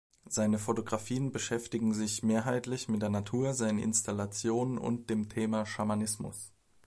Seine Fotografien beschäftigen sich mehrheitlich mit der Natur, seinen Installationen und dem Thema Schamanismus.